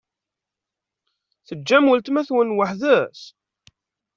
Teǧǧam weltma-twen weḥd-s?